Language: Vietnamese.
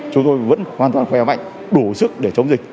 chúng tôi vẫn hoàn toàn khỏe mạnh đủ sức để chống dịch